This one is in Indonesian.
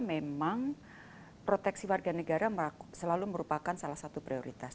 memang proteksi warga negara selalu merupakan salah satu prioritas